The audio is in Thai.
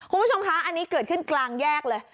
คุณผู้ชมคะอันนี้เกิดขึ้นกลางแยกเลย